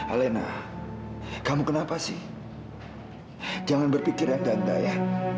alena kamu kenapa sih jangan berpikir yang ganda ya